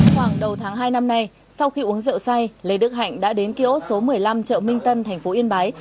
khoảng đầu tháng hai năm nay sau khi uống rượu say lê đức hạnh đã đến ký ốt số một mươi năm chợ minh tân thành phố yên bái